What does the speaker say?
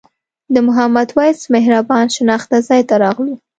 د محمد وېس مهربان شناخته ځای ته راغلو.